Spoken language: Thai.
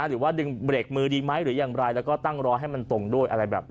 หรือว่าดึงเบรกมือดีไหมหรืออย่างไรแล้วก็ตั้งรอให้มันตรงด้วยอะไรแบบนี้